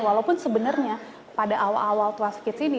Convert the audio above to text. walaupun sebenarnya pada awal awal tua sekits ini